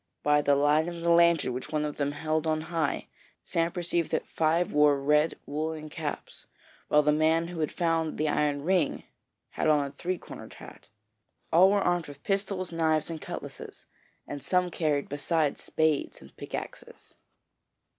By the light of the lantern which one of them held on high, Sam perceived that five wore red woollen caps, while the man who had found the iron ring had on a three cornered hat. All were armed with pistols, knives, and cutlasses, and some carried, besides, spades and pickaxes.